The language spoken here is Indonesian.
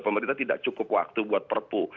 pemerintah tidak cukup waktu buat perpu